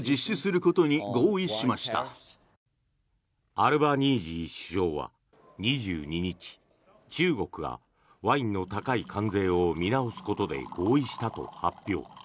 アルバニージー首相は２２日中国がワインの高い関税を見直すことで合意したと発表。